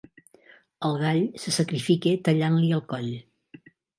El gall se sacrifica tallant-li el coll.